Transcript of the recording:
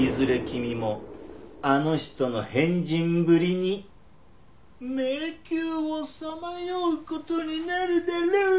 君もあの人の変人ぶりに迷宮をさまよう事になるだろうねえ！